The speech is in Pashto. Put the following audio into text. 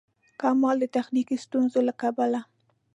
کمال د تخنیکي ستونزو له کبله.